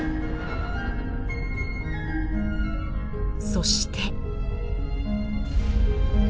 そして。